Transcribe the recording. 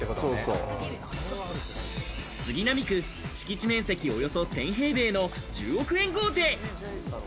杉並区、敷地面積およそ１０００平米の１０億円豪邸。